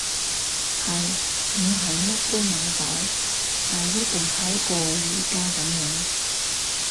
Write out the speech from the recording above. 係！唔係乜都買到，但一定好過而家噉樣